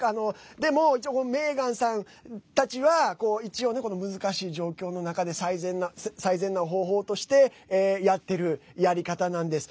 でも、メーガンさんたちは一応ね、難しい状況の中で最善な方法としてやってるやり方なんです。